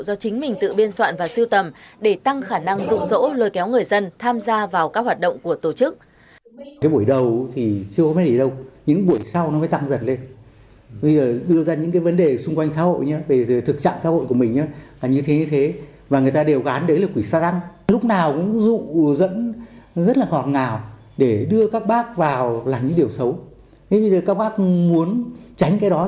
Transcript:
do chính mình tự biên soạn và siêu tầm để tăng khả năng dụ dỗ lời kéo người dân tham gia vào các hoạt động của tổ chức